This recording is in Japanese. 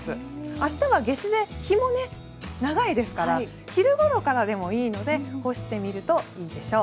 明日は夏至で日も長いですから昼ごろからでもいいので干してみるといいでしょう。